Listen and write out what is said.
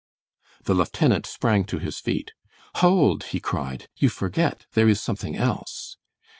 The lieutenant sprang to his feet. "Hold!" he cried, "you forget, there is something else!"